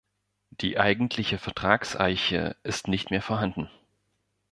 Der eigentliche Vertragseiche ist nicht mehr vorhanden.